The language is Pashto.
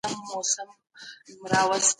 د ملکیت حق د اقتصاد د ودي لامل کیږي.